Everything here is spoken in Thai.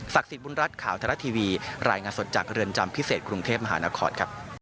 สิทธิบุญรัฐข่าวทรัฐทีวีรายงานสดจากเรือนจำพิเศษกรุงเทพมหานคร